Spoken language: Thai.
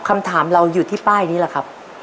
คำถามเราอยู่ที่ป้ายนี้แหละครับ